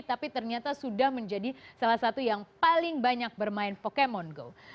tapi ternyata sudah menjadi salah satu yang paling banyak bermain pokemon go